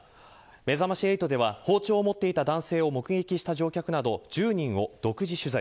めざまし８では包丁持っていた男性を目撃した乗客など１０人を独自取材。